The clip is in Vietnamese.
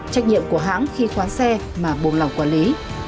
trách nhiệm của hãng khi khoán xe mà buông lỏng quản lý